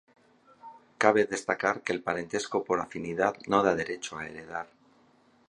Cabe destacar que el parentesco por afinidad no da derecho a heredar.